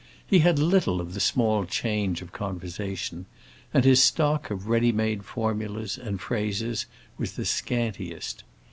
He had little of the small change of conversation, and his stock of ready made formulas and phrases was the scantiest.